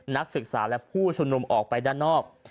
นักศึกษาและผู้ชุมนุมออกไปด้านนอก